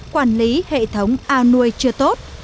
quản lý hệ thống ao nuôi chưa tốt